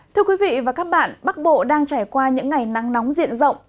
thưa quý vị và các bạn bắc bộ đang trải qua những ngày nắng nóng diện rộng